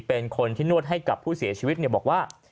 เป็นคนที่นวดให้กับผู้เสียชีวิตบอกว่า